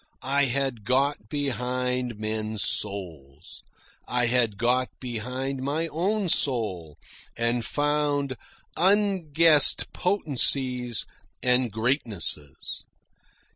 I had got behind men's souls. I had got behind my own soul and found unguessed potencies and greatnesses.